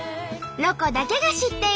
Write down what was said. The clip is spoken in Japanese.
「ロコだけが知っている」。